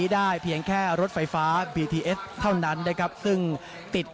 ได้เพียงแค่รถไฟฟ้าบีทีเอสเท่านั้นนะครับซึ่งติด